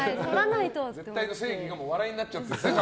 絶対の正義が笑いになっちゃってるんですね。